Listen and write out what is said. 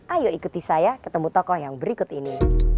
ayo ikuti saya ketemu tokoh yang berikut ini